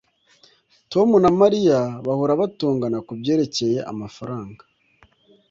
tom na mariya bahora batongana kubyerekeye amafaranga